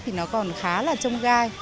thì nó còn khá là trông gai